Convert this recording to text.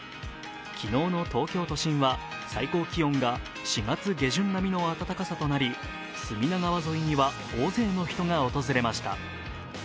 昨日の東京都心は最高気温が４月下旬並みの暖かさとなり隅田川沿いには大勢の人が訪れました。